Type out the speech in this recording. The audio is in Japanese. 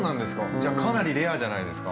じゃかなりレアじゃないですか。